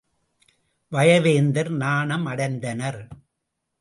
வயவேந்தர் நாணம் அடைந்தனர்.